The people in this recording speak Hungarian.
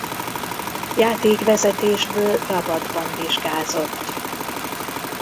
Játékvezetésből Rabatban vizsgázott.